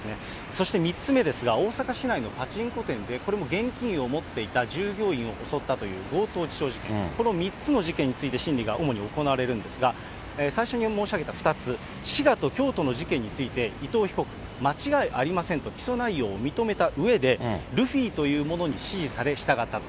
そして３つ目ですが、大阪市内のパチンコ店で、これも現金を持っていた従業員を襲ったという強盗致傷事件、この３つの事件について審理が主に行われるんですが、最初に申し上げた２つ、滋賀と京都の事件について伊藤被告、間違いありませんと、起訴内容を認めたうえで、ルフィというものに指示され、従ったと。